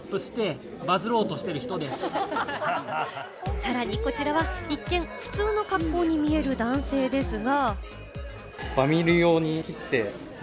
さらにこちらは一見、普通の格好に見える男性ですが。